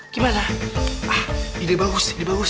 gimana ide bagus ide bagus